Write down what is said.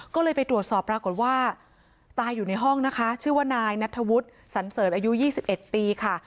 ก็เลยไปตรวจสอบปรากฏว่าตายอยู่ในห้องนะคะชื่อว่านายนัทธวุฒิสันเสริฐอายุ๒๑ปีค่ะ